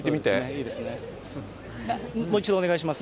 もう一度お願いします。